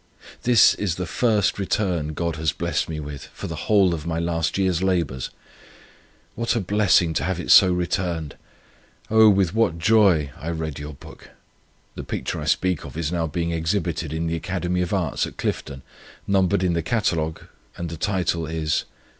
This is the first return God has blessed me with for the whole of my last year's labours. What a blessing to have it so returned! Oh, with what joy I read your book! The picture I speak of is now being exhibited in the academy of arts at Clifton, numbered in the Catalogue , the title is